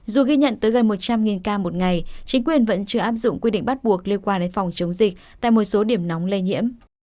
dù ghi nhận tới gần một trăm linh ca một ngày chính quyền vẫn chưa áp dụng quy định bắt buộc liên quan đến phòng chống dịch tại một số điểm nóng lây nhiễm